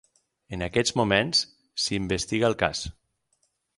En aquests moments s’investiga el cas.